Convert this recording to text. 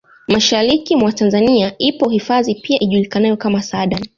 Mashariki mwa Tanzania ipo hifadhi pia ijulikanayo kama Saadani